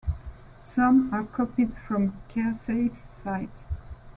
Some are copied from Keirsey's site.